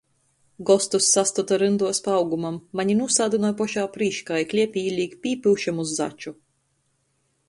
Gostus sastota rynduos pa augumam, mani nūsādynoj pošā prīškā i kliepī īlīk pīpyušamu začu.